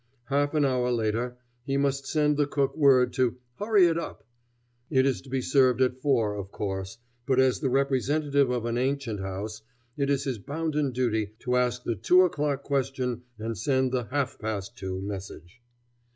Half an hour later he must send the cook word to "hurry it up." It is to be served at four, of course, but as the representative of an ancient house, it is his bounden duty to ask the two o'clock question and send the half past two message.